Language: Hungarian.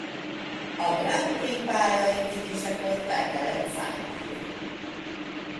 A Grand Prix pálya építésekor fel kellett számolni.